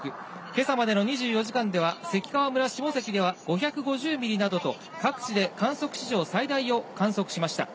今朝までの２４時間では関川村下関では５５０ミリなどと各地で観測史上最大を観測しました。